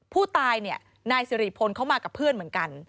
ผู้ตายเนี่ยนายสิริพลเขามากับเพื่อนเหมือนกัน